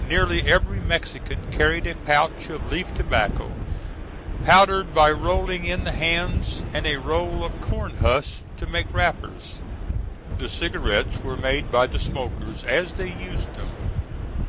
Nearly every Mexican carried a pouch of leaf tobacco, powdered by rolling in the hands, and a roll of corn husks to make wrappers. The cigarettes were made by the smokers as they used them.